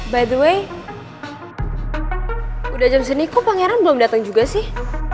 by the way udah jam sini kok pangeran belum datang juga sih